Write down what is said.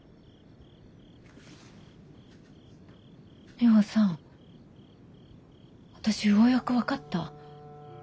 ミホさん私ようやく分かった。